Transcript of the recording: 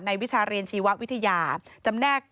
วิชาเรียนชีววิทยาจำแนก